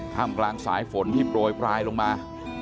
มกลางสายฝนที่โปรยปลายลงมา